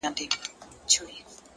علم د ذهن روښانتیا زیاتوي!.